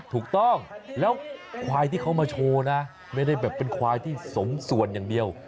ถูกต้องแล้วควายที่เขามาโชว์นะไม่ได้แบบเป็นควายที่สมส่วนอย่างเดียว